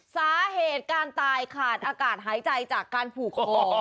สาเหตุการตายขาดอากาศหายใจจากการผูกคอ